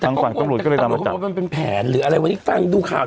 ทั้งฝั่งกรุงกรุงกรุงก็เลยลามาจับมันเป็นแผนหรืออะไรวะนี่ฟังดูข่าว